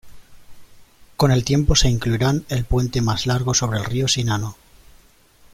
Con el tiempo se incluirán el puente más largo sobre el río Shinano.